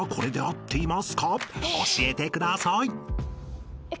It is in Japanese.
［教えてください］